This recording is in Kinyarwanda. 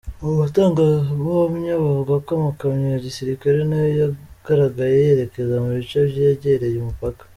Abatangabuhamwa bavuga ko amakamyo ya gisirikare nayo yagaragaye yerekeza mu bice byegereye umupaka.